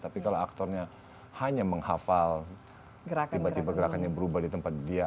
tapi kalau aktornya hanya menghafal gerakan gerakan yang berubah di tempat dia